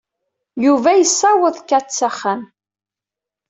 Yuba yessaweḍ Kate s axxam.